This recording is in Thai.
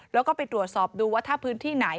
แล้วก็ไปตรวจสอบดูว่าถ้าพื้นที่ไหน